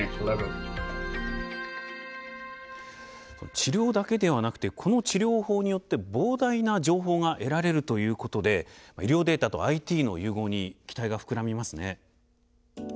治療だけではなくてこの治療法によって膨大な情報が得られるということで医療データとＩＴの融合に期待が膨らみますね。